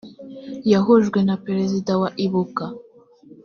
yahujwe na perezida wa ibuka